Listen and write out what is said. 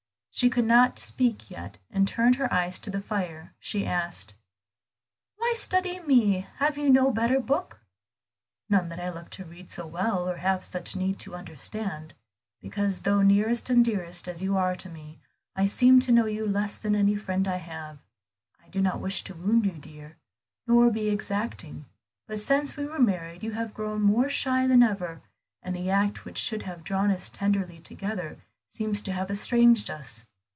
She could not speak yet, and turning her eyes to the fire, she asked "Why study me? Have you no better book?" "None that I love to read so well or have such need to understand; because, though nearest and dearest as you are to me, I seem to know you less than any friend I have. I do not wish to wound you, dear, nor be exacting; but since we were married you have grown more shy than ever, and the act which should have drawn us tenderly together seems to have estranged us.